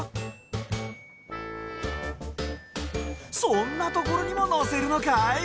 そんなところにものせるのかい？